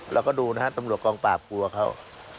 เราก็ดูนะครับตำรวจกองปากกลัวเขา